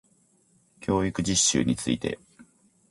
教育実習について